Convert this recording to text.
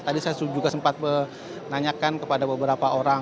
tadi saya juga sempat menanyakan kepada beberapa orang